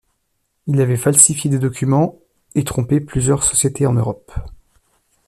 Il avait falsifié des documents et trompé plusieurs sociétés en Europe.